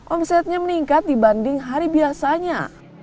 omsetnya meningkat dibanding hari biasanya